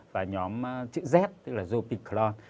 và nhóm chữ z tức là zopicron